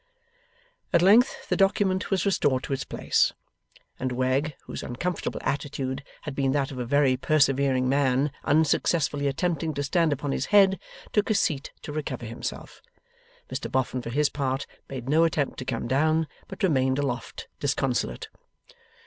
At length the document was restored to its place; and Wegg, whose uncomfortable attitude had been that of a very persevering man unsuccessfully attempting to stand upon his head, took a seat to recover himself. Mr Boffin, for his part, made no attempt to come down, but remained aloft disconsolate.